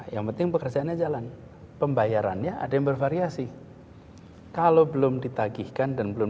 yang penting pekerjaannya jalan pembayarannya ada yang bervariasi kalau belum ditagihkan dan belum